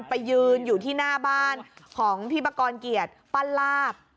ไปยืนอยู่ที่หน้าบ้านของพี่ปากรเกียรติปั้นลาบ